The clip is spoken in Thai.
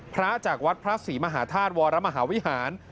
พระจากวัดพระศรีมหาธาตุวรมหาวิหาร